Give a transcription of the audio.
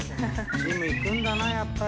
ジム行くんだなやっぱり。